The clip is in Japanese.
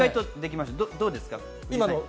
どうですか？